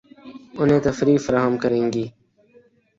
انھیں تفریح فراہم کریں گی